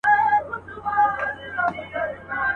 پر اوږو د اوښكو ووته له ښاره.